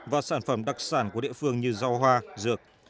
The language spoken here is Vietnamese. và sản phẩm đặc sản của địa phương như rau hoa dược